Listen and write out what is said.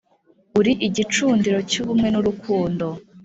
Uri igicundiro cy'ubumwe n'urukundo